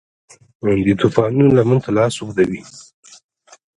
د توپانونو لمن ته لاس اوږدوي